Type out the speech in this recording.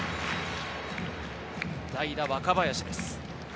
代打・若林です。